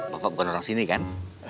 bapak bukan orang sini kan